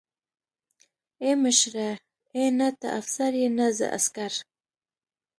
ای مشره ای نه ته افسر يې نه زه عسکر.